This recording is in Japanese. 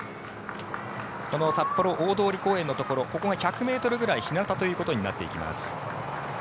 この札幌大通公園のところここが１００ｍぐらい日なたということになっていきます。